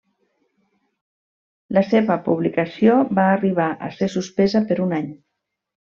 La seva publicació va arribar a ser suspesa per un any.